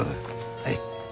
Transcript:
はい。